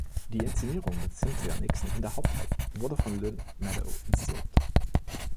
Die Inszenierung mit Cynthia Nixon in der Hauptrolle wurde von Lynne Meadow inszeniert.